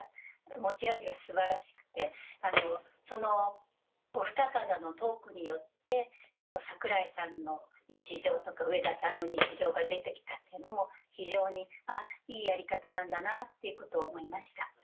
持ち味が素晴らしくてそのおふた方のトークによって櫻井さんの日常とか上田さんの日常が出て来たっていうのも非常にいいやり方なんだなっていうことを思いました。